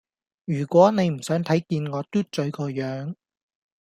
如果你唔想睇見我嘟嘴個樣